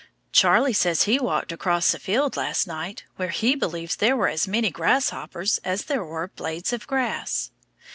Charlie says he walked across a field last night where he believes there were as many grasshoppers as there were blades of grass.